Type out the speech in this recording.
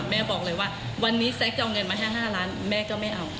แม่บอกเลยว่าวันนี้แซ็กจะเอาเงินมาแค่๕ล้านแม่ก็ไม่เอา